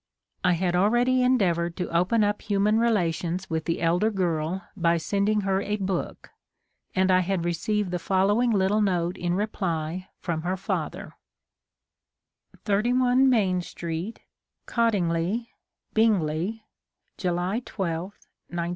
I had already endeavoured to open up human relations with the elder girl by sending her a book, and I had received the following little note in reply from her father : 33 THE COMING OF THE FAIRIES 31 Main Street, Cottingley, Bingley, July 12, 1920.